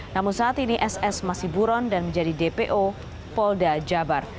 namun saat ini ss masih buron dan menjadi dpo polda jabar